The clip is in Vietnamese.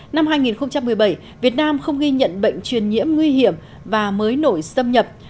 năm hai nghìn một mươi bảy việt nam không ghi nhận bệnh truyền nhiễm nguy hiểm và mới nổi xâm nhập